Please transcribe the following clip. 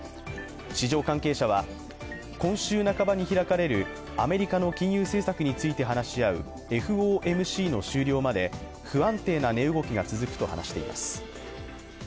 市場関係者は、今週半ばに開かれるアメリカの金融政策について話し合うＦＯＭＣの終了まで不安定な値動きが続くと話しています。